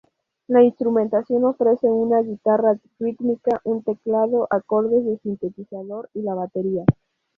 La instrumentación ofrece una guitarra rítmica, un teclado, acordes de sintetizador y la batería.